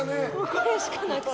これしかなくて。